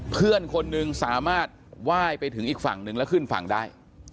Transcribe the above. เพื่อนคนหนึ่งสามารถไหว้ไปถึงอีกฝั่งนึงแล้วขึ้นฝั่งได้